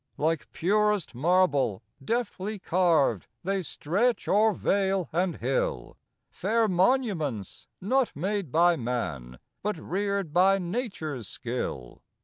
Like purest marble, deftly carv'd, They stretch o'er vale and hill, Fair monuments, not made by man, But rear'd by nature's skill.